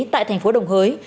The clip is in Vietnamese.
tại thành phố đồng hới